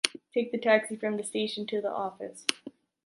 Take a taxi from the station to the office.